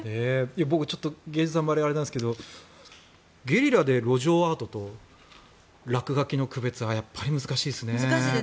僕、芸術はあれですがゲリラで路上アートと落書きの区別はやっぱり難しいですね。